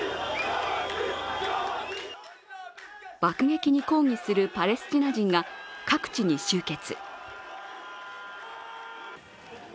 爆撃に抗議するパレスチナ人が各地に集結。